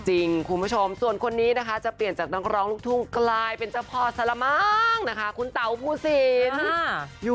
คุณผู้ชมส่วนคนนี้นะคะจะเปลี่ยนจากนักร้องลูกทุ่งกลายเป็นเจ้าพ่อสารมั้งนะคะคุณเต๋าภูสิน